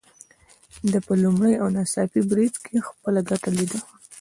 ده په لومړي او ناڅاپي بريد کې خپله ګټه ليده.